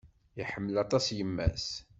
Iḥemmel aṭas yemma-s.